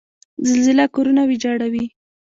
زلزله کورونه ویجاړوي.